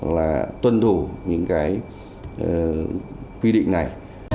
là tuân thủ những cái quy định này